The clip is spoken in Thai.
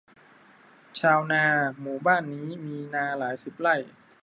ชาวนาหมู่บ้านนี้มีนาหลายสิบไร่